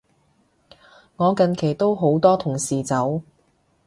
我近期都好多同事走